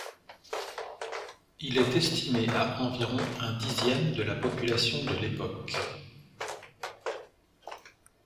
Il est estimé à environ un dixième de la population de l'époque.